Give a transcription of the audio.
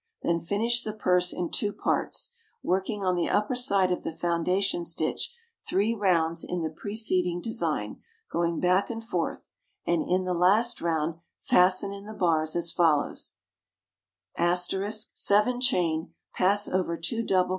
Then finish the purse in two parts, working on the upper side of the foundation st. 3 rounds in the preceding design, going back and forth, and in the last round fasten in the bars as follows: * 7 ch., pass over 2 dc.